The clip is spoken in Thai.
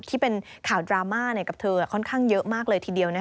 ที่เป็นข่าวดราม่ากับเธอค่อนข้างเยอะมากเลยทีเดียว